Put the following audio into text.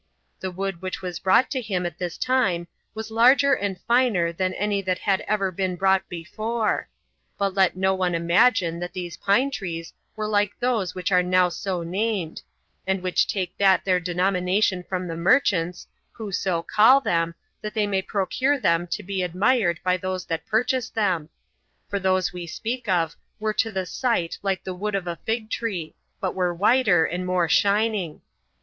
The wood which was brought to him at this time was larger and finer than any that had ever been brought before; but let no one imagine that these pine trees were like those which are now so named, and which take that their denomination from the merchants, who so call them, that they may procure them to be admired by those that purchase them; for those we speak of were to the sight like the wood of the fig tree, but were whiter, and more shining.